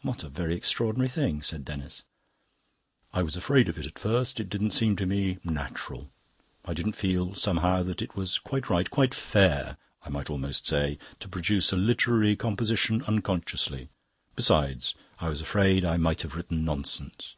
"What a very extraordinary thing," said Denis. "I was afraid of it at first. It didn't seem to me natural. I didn't feel, somehow, that it was quite right, quite fair, I might almost say, to produce a literary composition unconsciously. Besides, I was afraid I might have written nonsense."